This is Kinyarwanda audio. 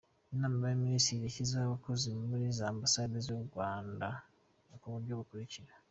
Inama y’Abaminisitiri yashyizeho abakozi muri za Ambasade z’u Rwanda ku buryo bukurikira:.